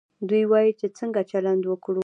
دوی وايي چې څنګه چلند وکړو.